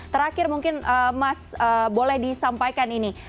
terakhir mungkin mas boleh disampaikan ini